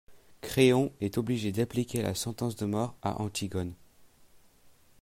Créon est obligé d'appliquer la sentence de mort à Antigone.